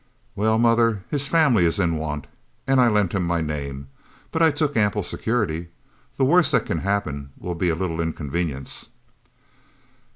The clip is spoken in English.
"Well, mother, his family is in want, and I lent him my name but I took ample security. The worst that can happen will be a little inconvenience."